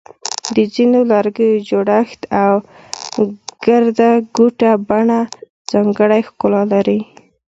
د ځینو لرګیو جوړښت او ګرده ګوټه بڼه ځانګړی ښکلا لري.